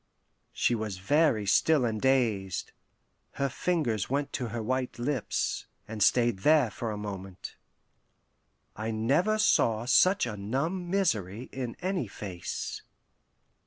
'" She was very still and dazed; her fingers went to her white lips, and stayed there for a moment. I never saw such a numb misery in any face.